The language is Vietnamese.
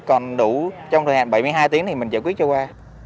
còn đủ trong thời hạn bảy mươi hai tiếng thì mình giải quyết cho qua